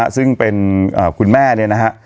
ซึ่งเป็นคุณแม่เนี่ยนะฮะ